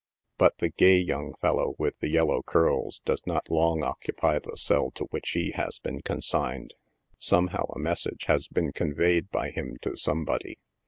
But the gay young fellow with the yellow curls does not long occupy the cell to which he has been consigned. Somehow a message has been conveyed by him to somebody.